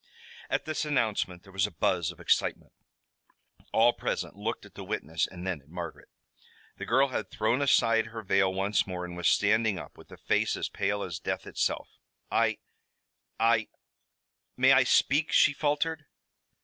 At this announcement there was a buzz of excitement. All present looked at the witness and then at Margaret. The girl had thrown aside her veil once more, and was standing up, with a face as pale as death itself. "I I may I speak?" she faltered.